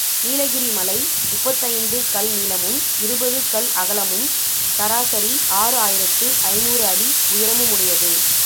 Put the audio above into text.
நீலகிரி மலை முப்பத்தைந்து கல் நீளமும் இருபது கல் அகலமும் சராசரி ஆறு ஆயிரத்து ஐநூறு அடி உயரமுமுடையது.